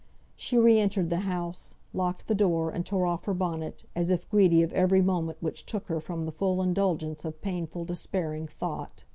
She re entered the house, locked the door, and tore off her bonnet, as if greedy of every moment which took her from the full indulgence of painful, despairing thought.